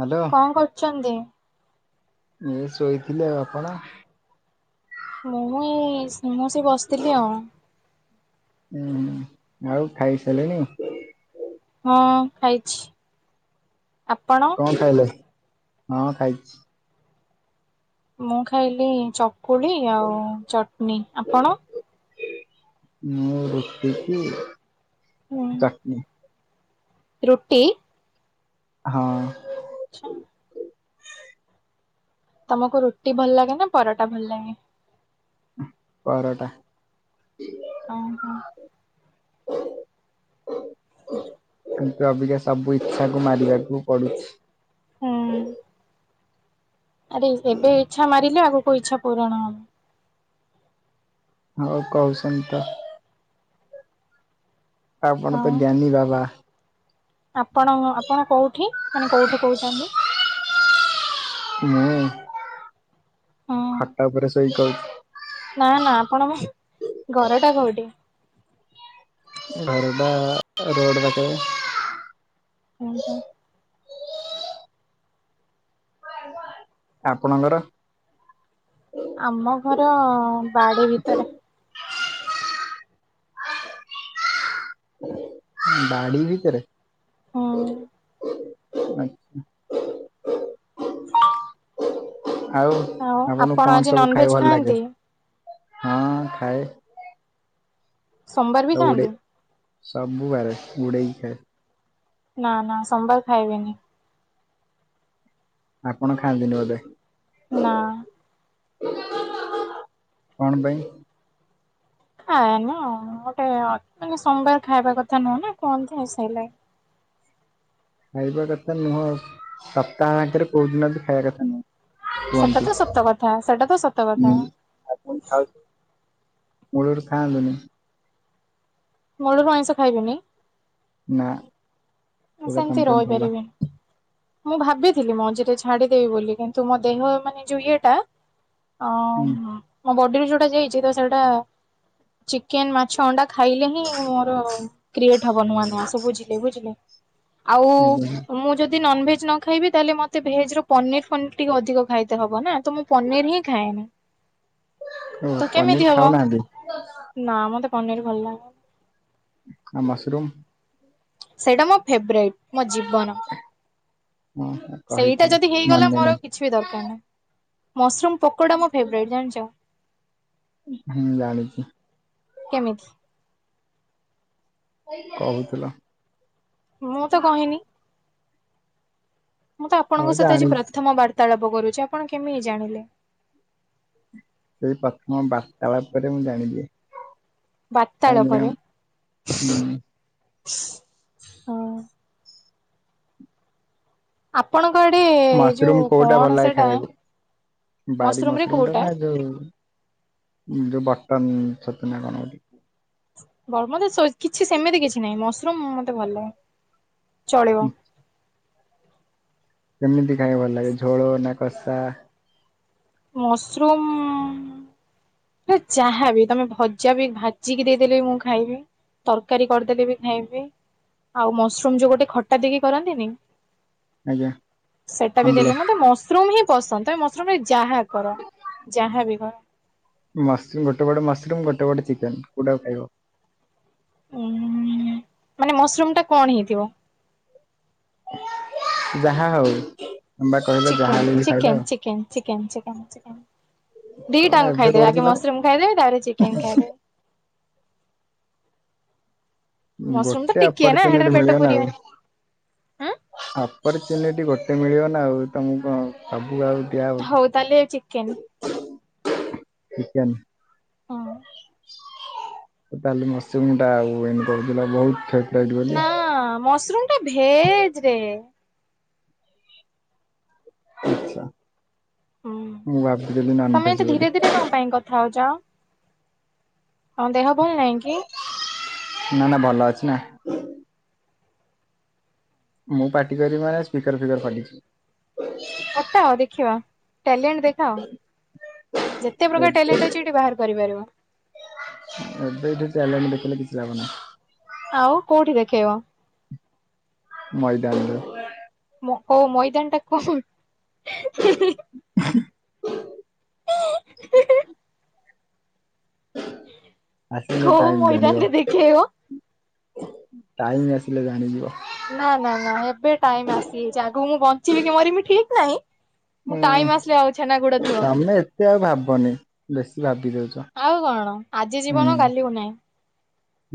Hello କଣ କରୁଛନ୍ତି? ଇ ଶୋଇଥିଲି ଆଉ ଆପଣ? ମୁଁ ଏ-ଏ-ଏ ମୁଁ ସେ ବସିଥିଲି ଆଉ। ଉ-ଉ-ଉ ଆଉ ଖାଇ ସାଇଲେଣି? ହଁ ଖାଇଛି। ଆପଣ? କଣ ଖାଇଲେ? ହଁ ଖାଇଛି। ମୁଁ ଖାଇଲି ଚକୁଳି ଆଉ ଚଟଣି। ଆପଣ? ମୁଁ ରୁଟି କି ହୁଁ ଚଟଣି। ରୁଟି? ହଁ। ଆଚ୍ଛା। ତମକୁ ରୁଟି ଭଲ ଲାଗେ ନା ପରଟା ଭଲ ଲାଗେ? ପରଟା। ଓହୋ। ହ କିନ୍ତୁ ଅବିକା ସବୁ ଇଚ୍ଛା କୁ ମାରିବାକୁ ପଡୁଛି। ହୁଁ। ଆରେ ଏବେ ଇଚ୍ଛା ମାରିଲେ ଆଗକୁ ଇଚ୍ଛା ପୂରଣ ହବ। ହଉ କହୁଛନ୍ତି ତ। ଆପଣ ହଁ। ତ ଜ୍ଞାନୀ ବାବା। ଆପଣ ଆପଣ କୋଉଠି ମାନେ କୋଉଠୁ କହୁଛନ୍ତି? ମୁୁଁ ହଁ ଖଟ ଉପରେ ସୋଇ କହୁଛି। ନା ନା ଆପଣ ଘର ଟା କୋଉଠି? ଘର ଟା-ଆ-ଆ-ଆ ରୋଡ଼ ପାଖରେ। ହୁଁ ହୁଁ। ଆପଣଙ୍କର? ଆମ ଘର-ଅ-ଅ-ଅ ବାଡି ଭିତରେ। ବାଡ଼ି ଭିତରେ? ହୁଁ। ଆଚ୍ଛା [unintelligible] ଆଉ ଆପଣଙ୍କୁ ଆପଣ କଣ ଆଜି ସବୁ ନନଭେଜ ଖାଇବା ଭଲ ଖାଆନ୍ତି? ଲାଗେ? ହଁ ଖାଏ। ସୋମବାର ବି ଆଉ ଉଡେ ଖାଆନ୍ତି? ସବୁ ବାରେ ବୁଡେଇକି ଖାଏ। ନା ନା ସୋମବାର ଖାଇବିନି। ଆପଣ ଖାଆନ୍ତିନି ବୋଧେ? ନା। କଣ ପାଇଁ? ଖାଏନି ଆଉ ଗୋଟେ ଅ ମାନେ ସୋମବାର ଖାଇବା କଥା ନୁହେଁ ନା କୁହନ୍ତି ସେଇଲାଗି। ଖାଇବା କଥା ନୁହଁ ସପ୍ତାହ ଆଙ୍କେରେ କୋଉ ଦିନ ବି ଖାଇବା କଥା ନୁହଁ। ସେଟା କୁହନ୍ତି ତ ସତ କଥା ସେଟା ତ ସତ କଥା। ଆ ପୁଣି ଖାଉଚ ମୁଳରୁ ଖାଆନ୍ତୁନି। ମୂଳୁର ଆଇଁଷ ଖାଇବିନି? ନା। ମୁଁ ସେମିତି ରହିପାରିବିନି। ହଁ [unintelligible] ମୁଁ ଭାବିଥିଲି ମଝିରେ ଛାଡିଦେବି ବୋଲି କିନ୍ତୁ ମୋ ଦେହ ମାନେ ଯୋଉ ଇଏଟା ଅ ହୁଁ ମ ମୋ ବଡିରୁ ଯୋଉଟା ଯାଇଚି ତ ସେଇଟା ଚିକେନ, ମାଛ, ଅଣ୍ଡା ଖାଇଲେ ହିଁ ମୋର କ୍ରିଏଟ ହବ ନୂଆ ନୂଆ। ସବୁ ବୁଝିଲେ ବୁଝିଲେ? ଆଉ ଆଜ୍ଞା। ମୁଁ ଯଦି ନନଭେଜ ନ ଖାଇବି ତାହେଲେ ମତେ ଭେଜ ର ପନିର ଫନିର ଟିକେ ଅଧିକ ଖାଇତେ ହବ ନା? ତ ମୁଁ ପନିର ହିଁ ଖାଏନି। ଓ ତ ପନିର କେମିତି ହବ? ଖାଉନାହାନ୍ତି ନା ମତେ ପନିର ଭଲ ଲାଗେ ଆଉ ମସରୁମ୍? ସେଇଟା ମୋ ଫେବରାଇଟ ମୋ ଜୀବନ। ହଁ ସେଇଟା କହିଥିଲେ ଯଦି ହେଇଗଲା ମନେ ମୋର ନାହିଁ ଆଉ କିଛି ବି ଦରକାର ନାହିଁ। ମସରୁମ୍ ପକୋଡା ମୋ ଫେବରାଇଟ୍ ଜାଣିଚ? ଉଁ ହୁଁ ଜାଣିଚି। କେମିତି? କହୁଥିଲ। ମୁଁ ତ କହିନି। ମୁଁ ତ ହଉ ଆପଣଙ୍କ ସହିତ ଆଜି ଜାଣିଛି ପ୍ରଥମ ବାର୍ତ୍ତାଳାପ କରୁଚି। ଆପଣ କେମିତି ଜାଣିଲେ? ସେଇ ପ୍ରଥମ ବାର୍ତ୍ତାଳାପରେ ମୁଁ ଜାଣିଲି। ବାର୍ତ୍ତାଳାପ ରେ? ହୁଁ ଆପଣଙ୍କ ଆଡେ ମସରୁମ୍ ଯୋଉ କୋଉଟା ଭଲ କଣ ଲାଗେ ସେଟା ଖାଇବାକୁ ବାରି ରେ ମସରୁମ ଟା କୋଉଟା ନା ଯୋଉ ଯୋଉ ବଟମ ଟା ଛତୁ ନା କଣ ଗୋଟେ? ବ ମତେ ସ୍ କିଛି ସେମିତି କିଛି ନାହିଁ ମସରୁମ ମତେ ଭଲ ଲାଗେ ଚଳିବ। କେମିତି ଖାଇବାକୁ ଭଲ ଲାଗେ ଝୋଳ ନା କଷା? ମସରୁମ୍ ରେ ଯାହା ବି ତମେ ଭଜା ବି ଭାଜିକି ଦେଇଦେଲେ ବି ମୁଁ ଖାଇବି। ତରକାରୀ କରିଦେଲେ ବି ଖାଇବି ଆଉ ମସରୁମ ଯୋଉ ଗୋଟେ ଖଟା ଦେଇକି କରନ୍ତିନି? ଆଜ୍ଞା ସେଟା ବି ଆମ୍ବୁଲ ଦେଲେ ମତେ ମସରୁମ ହିଁ ପସନ୍ଦ ତମେ ମସରୁମ ରେ ଯାହା କର ଯାହା ବି କର। ମସ ଗୋଟେ ପଟେ ମସରୁମ୍ ଗୋଟେ ପଟେ ଚିକେନ କୋଉଟା କୁ ଖାଇବ? ଉଁ ମାନେ ମସରୁମ ଟା କଣ ହେଇଥିବ? ଯାହା ହଉ ତମେ ବା କହିଲ ଯାହା ଚିକେନ ହେଲେ ବି ଚିକେନ ଖାଇଦବ। ଚିକେନ ଚିକେନ ଚିକେନ ଚିକେନ କଣ ଦିଟାଙ୍କ ଏବେ ଖାଇଦେବି ଆଗେ କହୁଥିଲ ମସରୁମ ଖାଇଦେବି ତା ପରେ ଚିକେନ ଖାଇଦେବି। ମସରୁମ ତ ଗୋଟେ ଟିକିଏ ନା ହେଟାରେ ଅପର୍ଚୁନିଟି ପେଟ ମିଳିବ ନା ପୁରିବନି ଆଉ। ଉଁ। ଅପର୍ଚୁନିଟି ଗୋଟେ ମିଳିବ ନା ଆଉ। ତମକୁ କଣ ସବୁ ଆଉ ଦିଆହବ ହଉ ତାହେଲେ ଚିକେନ୍। ଚିକେନ। ହଁ ତାହେଲେ ମସୃମଟା ଆଉ ଏନୁ କହୁଥିଲ ବହୁତ ଥେ ନା ମସରୁମ ଟା ଭେଜରେ। ଆଛା ମୁଁ ଭାବିଦେଲି ନନ୍ ଭେଜ ବୋଲି। ରେ କଣ ପାଇଁ କଥା ହୋଉଛ? ତମ ଦେହ ଭଲ ନାହିଁ କି? ନା ନା ଭଲ ଅଛି ନା। ମୁଁ ପାଟି କରିବି ମାନେ ସ୍ପିକର ଫିକର ଖଲିଛି। ପଟାଅ ଦେଖିବା। ଟ୍ୟାଲେଣ୍ଟ ଦେଖାଅ ଯେତେ ପ୍ରକାର ଟ୍ୟାଲେଣ୍ଟ ଏବେ ଅଛି ଏଠି ବାହାର କରିପାରିବ। ଏବେ ଏଇଠି ଟ୍ୟାଲେଣ୍ଟ ଦେଖେଇଲେ କିଛି ଲାଭ ନାହିଁ। ଆଉ କୋଉଠି ଦେଖେଇବ? ମଇଦାନରେ। ମ କୋଉ ମଇଦାନଟା କୋ ହି ହିଁ ହି [inaudible] ଆସିଲେ କୋଉ ଟାଇମ ଜାଣିିବ। ମଇଦାନରେ ଦେଖେଇବ ଟାଇମ ଆସିଲେ ଜାଣିଯିବ। ନା ନା ନା ଏବେ ଟାଇମ ଆସିଯାଇଛି। ଆଗକୁ ମୁଁ ବଞ୍ଚିବି କି ମରିିବି ଠିକ ନାହିଁ। ମୁଁ ଟାଇମ ହୁଁ ଆସିଲେ ଆଉ ଛେନାଗୁଡ ଥିବ। ତମେ ଏତେ ଆଉ ଭାବନି ବେଶୀ ଭାବି ଦୋଉଛ। ଆଉ କଣ ଆଜି ଯିବନ କାଲି କୁ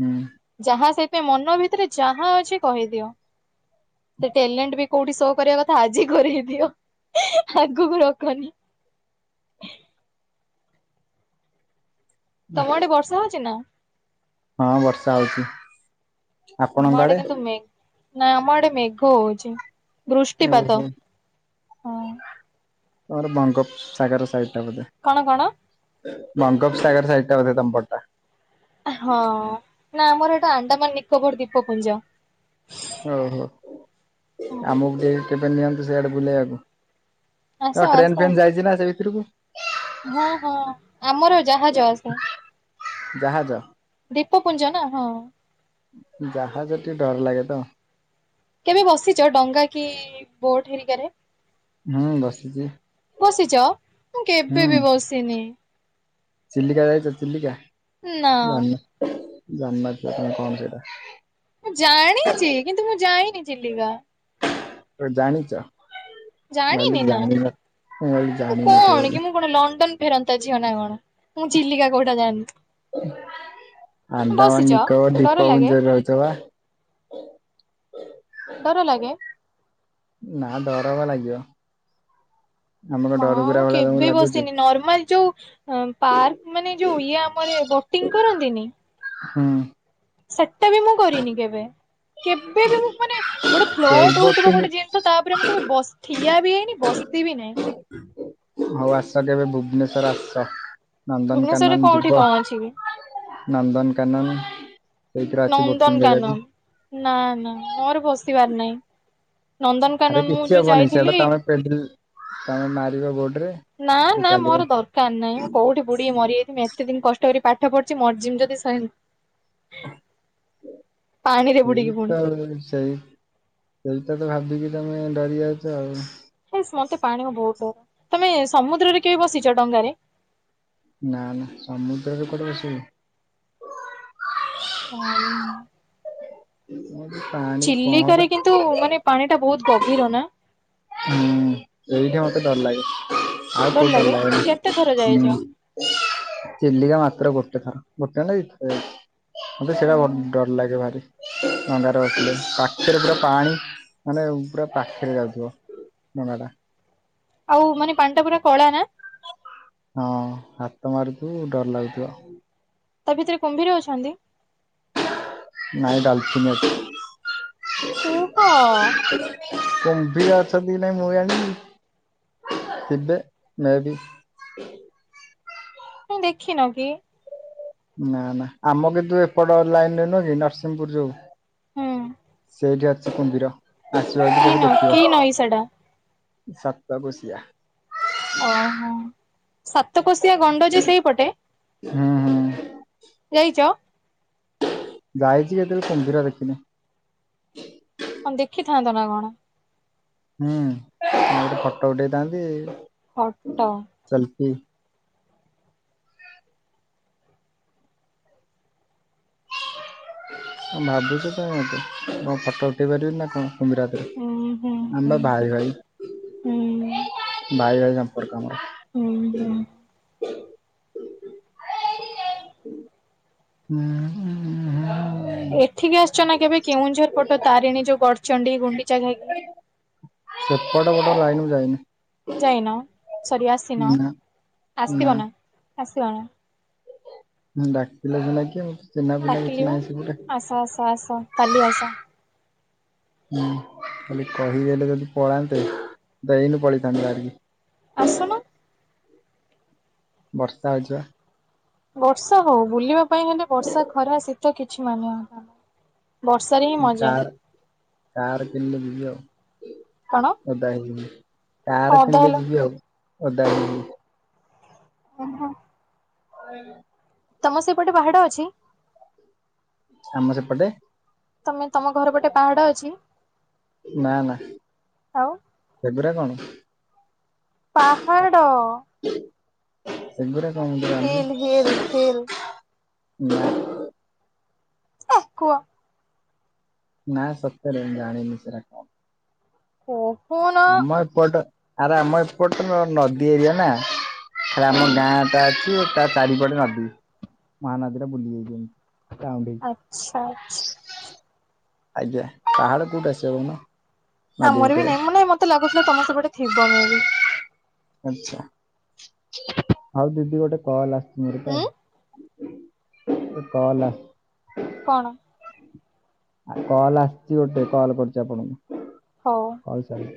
ହୁଁ ଯାହା ସେଥିପାଇଁ ମନ ଭିତରେ ଯାହା ଅଛି କହିଦିଅ। ସେ ଟ୍ୟାଲେଣ୍ଟ ବି କୋଉଠି ସୋ କରିବା କଥା, ଆଜି କରେଇ ଦିଅ ଆଗକୁ ରଖନି। ତମ ଆଡେ ବର୍ଷା ହଉଛି ନା? ହଁ ବର୍ଷା ହୋଉଛି। ଆପଣଙ୍କ ଆଡେ? ନାଇଁ ଆମ ଆଡେ ମେଘ ହୋଉଛି। ଓହୋ ହଁ ତମର ବଙ୍ଗୋପସାଗର ସାଇଟ ଟା ବୋଧେ। କଣ କଣ? ବଙ୍ଗୋପସାଗର ସାଇଟ୍ ଟା ବୋଧେ ତମପଟ ଟା। ହଁ ନା ଆମର ଏଟା ଆଣ୍ଡାମାନ ନିକୋବର ଦ୍ୱୀପପୁଞ୍ଜ। ଓହୋ ହଁ ଆମକୁ ଟିକେ କେବେ ନିଅନ୍ତୁ ସିଆଡେ ବୁଲେଇବାକୁ। ଆସ ହଁ ଆସ ଟ୍ରେନ ଫେନ୍ ଯାଇଛି ନା ସେ ଭିତରୁକୁ? ହଁ ହଁ ଆମର ଜାହାଜ ଆସେ। ଜାହାଜ ଦୀପପୁଞ୍ଜ ନା ହଁ ଜାହାଜ ଟିକେ ଡର ଲାଗେ ତ। କେବେ ବସିଛ ଡଙ୍ଗା କି ବୋଟ ହେରିକାରେ? ହୁଁ ବସିଛି। ବସିଛ ମୁଁ କେବେ ହୁଁ ବି ବସିନି। ଚିଲିକା ଯାଇଛ ଚିଲିକା? ନା। ଜାଣିନ ଜାଣିନଥିବ ତମେ କଣ ସେଇଟା। ମୁଁ ଜାଣିଛି କିନ୍ତୁ ମୁଁ ଯାଇନି ଚିଲିକା। ଓ ଜାଣିଚ। ଜାଣିନି ନା, ମୁଁ ଜାଣିନଥିବ କଣ ବୋଲି କି ମୁଁ କଣ ଲଣ୍ଡନ ଫେରନ୍ତା ଝିଅ ନା କଣ? ମୁଁ ଚିଲିକା କୋଉଟା ଜାଣିନି। ଆଣ୍ଡାମାନ ବସିଛ ନିକୋବର୍ ଡର ଲାଗେ ଦୀପପୁଞ୍ଜ ରେ ରହୁଛ ବା। ଡର ଲାଗେ? ନା ଡର କଣ ଲାଗିବ। ଆମେ କଣ ମା ମୁଁ ଡରୁକୁରା ଭଳିଆ ତମକୁ କେବେ ଲାଗୁଛୁ ବସିନି ନର୍ମାଲ ଯୋଉ ଅ ପାର୍କ ମାନେ ଯୋଉ ଇଏ ଆମର ବୋଟିଂ କରନ୍ତିନି ହୁଁ। ସେଟା ବି ମୁଁ କରିନି କେବେ, କେବେ ବି ମୁଁ ମାନେ ଗୋଟେ ସେଲ୍ ଫ୍ଲଟ ହଉଥିବ ବୋଟିଂ ଗୋଟେ ଜି ହ ତାପରେ ମୁଁ କେବେ ବସ୍ ଠିଆ ବି ହେଇନି ବସି ବି ନାହିଁ। [inaudible] ହୋଉ ଆସ କେବେ ଭୁବନେଶ୍ଵର ଆସ ଭୁବନେଶ୍ୱରରେ ନନ୍ଦନକାନନ କୋଉଠି ଯିବ। କଣ ଅଛି କି ନନ୍ଦନକାନନ ସେଇଥିରେ ଅଛି ବୋଟିଂ ନନ୍ଦନକାନନ। କରିବାକୁ। ନା ନା ମୋର ବସିବାର ନାହିଁ। ନନ୍ଦନକାନନ ମୁଁ ଯୋଉ ଯାଇଥିଲି। ପେଦେଲ ତମେ ମାରିବ ବୋଡରେ। ନା ନା ମୋର ଦର କାର ନାଇଁ, ମୁଁ କୋଉଠି ବୁଡ଼ିକି ମରିଯାଇଥିମି ଏତେ ଦିନ କଷ୍ଟ କରିକି ପାଠ ପଢ଼ିଛି। ମରିଯିମି ଯଦି ସ [inaudible] ପାଣିରେ ସେଇ ବୁଡିକି ପୁଣି ତ ସେଇ, ସେଇଟା ତ ଭାବିକି ତମେ ଡରି ଯାଉଛ ଆଉ। ହେସ୍ ମତେ ପାଣି କୁ ବହୁତ ଡର। ତମେ ସମୁଦ୍ରରେ କେବେ ବସିଛ ଡଙ୍ଗାରେ? ନା ନା ସମୁଦ୍ରରେ କୁଆଡ଼େ ଆସିବ। ଭାଇ। ପା ଚିଲିକାରେ କିନ୍ତୁ ମାନେ ପାଣି ଟା ବହୁତ ଗଭୀର ନା। ହୁଁ ଏଇଠି ମତେ ଡର ଲାଗେ ଆଉ କୋଉଠି ଡର ଲାଗେ ଲାଗେନି କେତେ ଥର ଯାଇଛ? ହୁଁ। ଚିଲିକା ମାତ୍ର ଗୋଟେ ଥର ଗୋଟେ ନା ଦି ଥର ଯାଇଛି। ମତେ ସେଇଟା ଡର ଲାଗେ ଭାରି ଡଙ୍ଗାରେ ବସିଲେ ପାଖରେ ପୁରା ପାଣି। ମାନେ ପୁରା ପାଖିରେ ଯାଉଥିବ। ନେବାଟା। ଆଉ ମାନେ ପାଣ୍ଟା ପୁରା କଳା ନା। ହଁ ହାତ ମାରୁଥିବୁ ଡର ଲାଗୁଥିବ। ତା ଭିତରେ କୁମ୍ଭୀର ଅଛନ୍ତି। ନାଇଁ ଡାଲଫିନ ଅଛି। କୁହ ତମେ କୁମ୍ଭିର ଅଛନ୍ତି ନାଇଁ ମୁଁ ଜାଣିନି ଥିବେ ମେବି। ତୁମେ ଦେଖିନ କି? ନା ନା ଆମ କିନ୍ତୁ ଏପଟ ଲାଇନରେ ନୁହେଁ କି ନରସିଂହପୁର ଯୋଉ। ହୁଁ ସେଇଠି ଅଛି କୁମ୍ଭୀର ଆସିବ ଯଦି କି କେବେ ନଈ କି ଦେଖିବ। ନଈ ସେଟା ସପ୍ତଗୋସିଆ। ଓହୋ ସାତକୋଶିଆ ଗଣ୍ଡ ଯେ ସେଇପଟେ। ହୁଁ ହୁଁ। ଯାଇଛ। ଯାଇଛି କେତେବେଳେ କୁମ୍ଭୀର ଦେଖିନି। କଣ ଦେଖିଥାନ୍ତ ନା କଣ? ହୁଁ ଗୋଟେ ଫଟୋ ଉଠେଇଥାନ୍ତି। ଫଟ। ସେଲ୍ଫି। କଣ ଭାବୁଛ ମୋତେ ମୁଁ କଣ ଫଟୋ ଉଠେଇ ପାରିବିନି ନା କଣ। କୁମ୍ଭୀର ହାତରେ ହୁଁ ହୁଁ ହୁଁ ଆମେପା ଭାଇ ଭାଇ ହୁଁ ଭାଇ ଭାଇ ଉପର କାମ। ହୁଁ ହୁଁ। ହୁଁ। ହୁଁ। ଏଠିକି ଆସିଛ ନା କେବେ କେଉଁଝର ପଟ ତାରିଣୀ ଯୋଉ ଗଡଚଣ୍ଡି ଗୁଣ୍ଡିଚା ଘାଇକି। ସେପଟ ପଟେ ଲାଇନ ମୁଁ ଯାଇନି। ଯାଇନ ସରି ଆସିନ ନା ଆସିବ ନା ଆସିବ ନା। ହୁଁ ଡାକିଲେ ସିନା କିିଏ ମତେ। ଡକିଲି ବା ଆସ ଆସ ଆସ କାଲି ଆସ। ହୁଁ ଖଲି କହିଦେଲେ ଯଦି ପଳାନ୍ତେ ମୁଁ ତ ଏଇନୁ ପଳେଇଥାନ୍ତି ବାହାରିକି। ଆସୁନ। ବର୍ଷା ହୋଉଚିବା। ବର୍ଷା ହୋଉ ବୁଲିବା ପାଇଁ ହେଲେ ବର୍ଷା ଖରା ଶୀତ କିଛି ମାନନା ବର୍ଷା ରେ ହିଁ ମଜା କାର କାର କିଣିଲେ ଯିବି ଆଉ। କଣ? ଓଦା ହେଇଯିବି ହଁ ତାର ଓଦା କିଣିଲେ ହେଲ ଯିବି ଆଉ ଓଦା ହେଇଯିବି। ଓହୋ। [unintelligible] ତମ ସେପଟେ ପାହାଡ ଅଛି। ଆମ ସେପଟେ ତମେ ତମ ଘର ଗୋଟେ ପାହାଡ ଅଛି ନା ନା ଆଉ ସେଗୁରା କଣ ପାହାଡ଼। ସେଗୁଡା କଣ ମୁଁ ଜାଣିନି। ହିଲ୍ ହିଲ୍ ହିଲ୍ ଏ କୁହ। ନାଁ ସତରେ ଜାଣିନି ସେରା କଣ। କୋହନ ଆମ ଏପଟ ଆରେ ଆମ ଏପଟ ନଦୀ ଏରିଆ ନା। ସାର୍ ହଁ ଆମ ଗାଁଟା ଅଛି। ତା ଚାରିପଟେ ନଦୀ ମହାନଦୀରେ ବୁଲି ଯାଇ ଯାଉଛନ୍ତି। ଆଚ୍ଛା ଆଚ୍ଛା। ଆଜ୍ଞା ପାାହାଡ କୋଉଠି ଆସିବ କୋହୁନ। ଆମର ବି ନାଇଁ ନାହିଁ ମତେ ଲାଗୁଥିଲା ତମ ସେପଟେ ଥିବ ମେବି। ଆଛା ଆଉ ଦିଦି ଗୋଟେ କଲ୍ ଆସିଛି ମୋର ତ। ଉଁ କଲ ଆ କଣ? କଲ୍ ଆସିଛି ଗୋଟେ କଲ୍ କରୁଛି ଆପଣଙ୍କୁ। ହଉ। ହଉ ସାର୍।